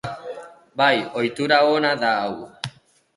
Bai, ohitura ona da hau.